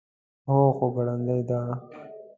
هو، خو ګړندۍ ده